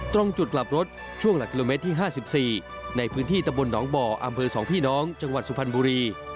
ตรงจุดกลับรถช่วงหลักกิโลเมตรที่๕๔ในพื้นที่ตำบลหนองบ่ออำเภอ๒พี่น้องจังหวัดสุพรรณบุรี